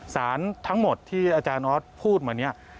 สารทั้งหมดที่อาจารย์ออสพูดมาเนี่ย